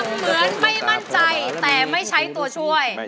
เหมือนไม่มั่นใจแต่ไม่ใช้ตัวช่วย